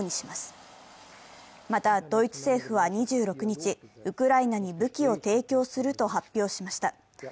また、ドイツ政府は２６日、ウクライナに武器を提供すると発表しました。